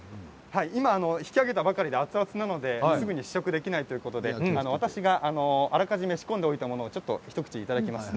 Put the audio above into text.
今引き揚げたばかりで熱々なのですぐに試食できないということで私があらかじめ仕込んでおいたものを一口いただきます。